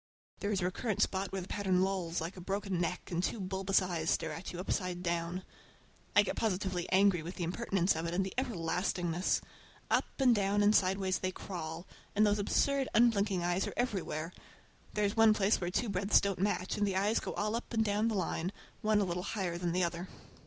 There is a recurrent spot where the pattern lolls like a broken neck and two bulbous eyes stare at you upside down. I get positively angry with the impertinence of it and the everlastingness. Up and down and sideways they crawl, and those absurd, unblinking eyes are everywhere. There is one place where two breadths didn't match, and the eyes go all up and down the line, one a little higher than the other.